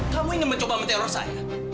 kamu ingin mencoba menteror saya